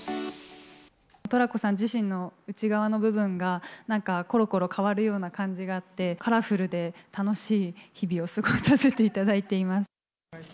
トラコさん自身の内側の部分が、なんかころころ変わるような感じがあって、カラフルで楽しい日々を過ごさせていただいています。